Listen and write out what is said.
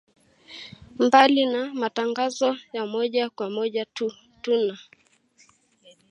Mbali na matangazo ya moja kwa moja tuna